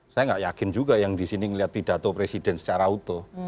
saya nggak yakin juga yang di sini melihat pidato presiden secara utuh